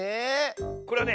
これはね